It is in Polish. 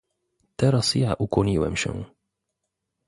"Teraz ja ukłoniłem się."